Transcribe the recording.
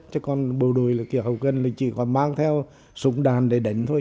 chứ còn bộ đội là cái hậu cần là chỉ còn mang theo súng đàn để đánh thôi